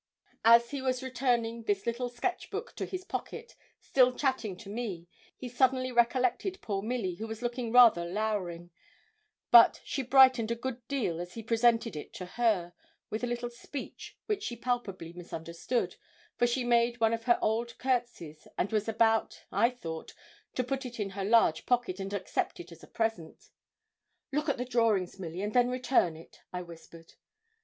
As he was about returning this little sketch book to his pocket, still chatting to me, he suddenly recollected poor Milly, who was looking rather lowering; but she brightened a good deal as he presented it to her, with a little speech which she palpably misunderstood, for she made one of her odd courtesies, and was about, I thought, to put it into her large pocket, and accept it as a present. 'Look at the drawings, Milly, and then return it,' I whispered.